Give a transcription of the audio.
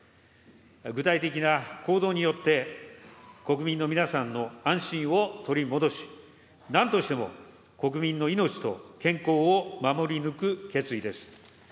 具体的な行動によって国民の皆さんの安心を取り戻し、なんとしても国民の命と健康を守り抜く決意です。